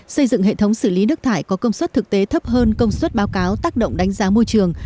xây dựng hệ thống xử lý nước thải có công suất thực tế thấp hơn công suất báo cáo tác động đánh giá môi trường